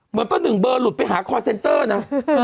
เหมือนเป้าหนึ่งเบอร์หลุดไปหาคอร์ดเซ็นเตอร์นะ